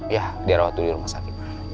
ya dia rawat dulu di rumah sakit pak